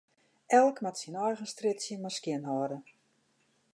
Elk moat syn eigen strjitsje mar skjinhâlde.